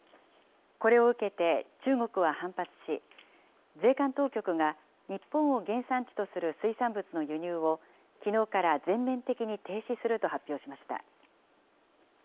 これを受けて中国は反発し、税関当局が日本を原産地とする水産物の輸入を、きのうから全面的に停止すると発表しました。